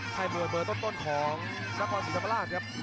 ให้มัวเบอร์ต้นของนักฟอร์สุธรรมราชครับ